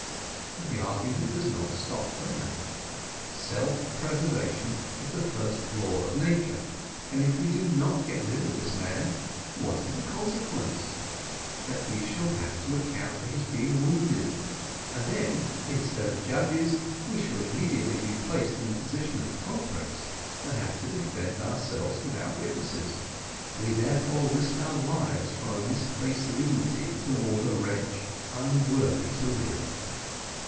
But the argument does not stop there self preservation is the first law of nature, and if we do not get rid of this man, what is the consequence? that we shall have to account for his being wounded, and then, instead of judges, we shall immediately be placed in the position of culprits, and have to defend ourselves without witnesses. We therefore risk our lives from a misplaced lenity towards a wretch unworthy to live."